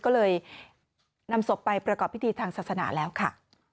ก็เลยนำศพไปประกอบพิธีทางศาสนาแล้วค่ะ